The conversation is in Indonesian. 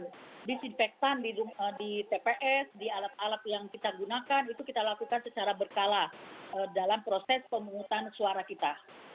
dan disinfektan di tps di alat alat yang kita gunakan itu kita lakukan secara berkala dalam proses pemungutan suara kita